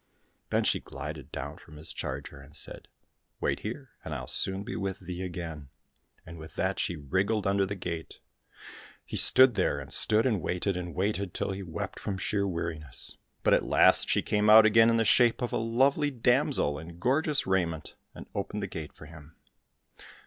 Then she glided down from his charger and said, " Wait here, and I'll soon be with thee again," and with that she wriggled under the gate. He stood there and stood and waited and waited till he wept from sheer weariness ; but, at last, she H 113 COSSACK FAIRY TALES came out again in the shape of a lovely damsel in gorgeous raiment, and opened the gate for him.